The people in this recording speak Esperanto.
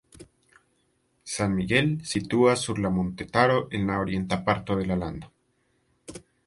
San Miguel situas sur montetaro en orienta parto de la lando.